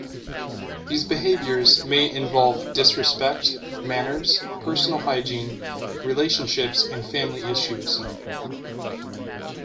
These behaviours may involve disrespect, manners, personal hygiene, relationships and family issues.